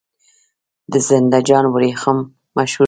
د زنده جان وریښم مشهور دي